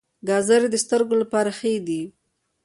ګازرې د سترګو لپاره ښې دي